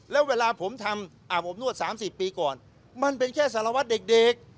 แล้วเวลาผมทำอาบอบนวด๓๐ปีก่อนมันเป็นแค่สารวัตรเด็ก